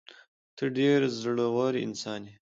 ته ډېر زړه ور انسان یې.